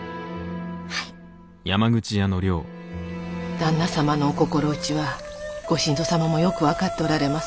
旦那様のお心うちはご新造様もよく分かっておられます。